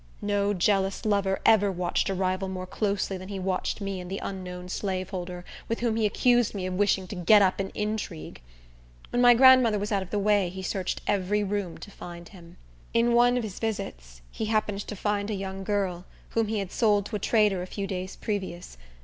No jealous lover ever watched a rival more closely than he watched me and the unknown slaveholder, with whom he accused me of wishing to get up an intrigue. When my grandmother was out of the way he searched every room to find him. In one of his visits, he happened to find a young girl, whom he had sold to a trader a few days previous.